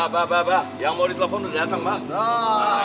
bah bah bah yang mau ditelepon udah datang bah